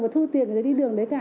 và thu tiền để đi đường đấy cả